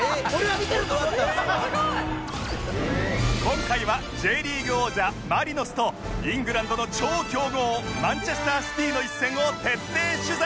今回は Ｊ リーグ王者マリノスとイングランドの超強豪マンチェスター・シティの一戦を徹底取材！